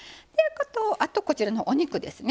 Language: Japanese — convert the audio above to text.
あとこちらのお肉ですね。